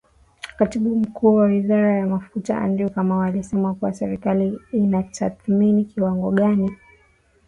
Katibu Mkuu wa Wizara ya Mafuta Andrew Kamau alisema kuwa serikali inatathmini kiwango gani